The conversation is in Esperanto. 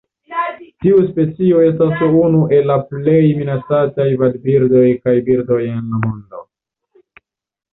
Tiu specio estas unu el la plej minacataj vadbirdoj kaj birdoj en la mondo.